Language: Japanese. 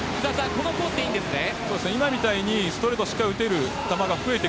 このコースでいいですね。